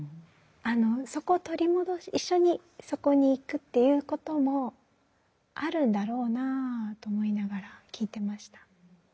そこを取り戻し一緒にそこに行くっていうこともあるんだろうなあと思いながら聞いてました。